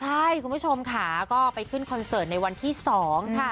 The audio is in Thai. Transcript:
ใช่คุณผู้ชมค่ะก็ไปขึ้นคอนเสิร์ตในวันที่๒ค่ะ